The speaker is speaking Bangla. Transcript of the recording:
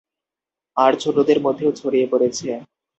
আর ছোটদের মধ্যেও ছড়িয়ে পড়েছে।